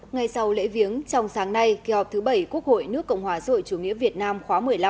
ngay sau lễ viếng trong sáng nay kỳ họp thứ bảy quốc hội nước cộng hòa rồi chủ nghĩa việt nam khóa một mươi năm